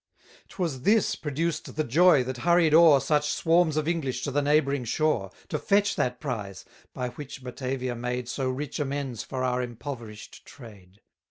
'Twas this produced the joy that hurried o'er Such swarms of English to the neighbouring shore, To fetch that prize, by which Batavia made So rich amends for our impoverish'd trade.